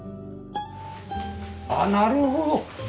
あっなるほど！